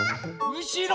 うしろ。